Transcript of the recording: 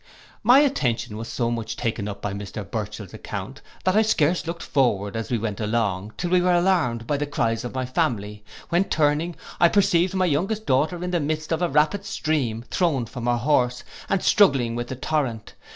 My attention was so much taken up by Mr Burchell's account, that I scarce looked forward as we went along, til we were alarmed by the cries of my family, when turning, I perceived my youngest daughter in the midst of a rapid stream, thrown from her horse, and struggling with the torrent.